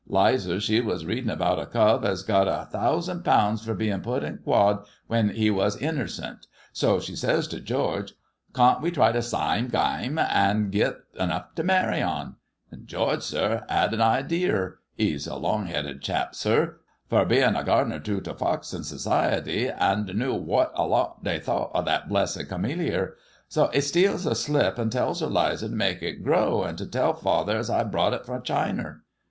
'Lizer she was readin' about a cove es got a thousan' poun's fur bein' put in quod when 'e was innercent, so she ses t' George, * Cawn't we try the saime gaime on an' git enough t' marry on 1 * An' George, sir, 'ad an idear — 'e's a long 'eaded chap, sir — fur bein' a gardiner to t' Foxton Society 'e knew whot a lot th'y thought of thet blessed camelliar. So 'e steals a slip an' tells 'Lizer to mek it grow, an' to tell father es I browght it fro' Chiner.